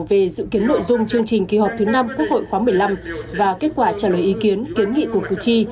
về dự kiến nội dung chương trình kỳ họp thứ năm quốc hội khóa một mươi năm và kết quả trả lời ý kiến kiến nghị của cử tri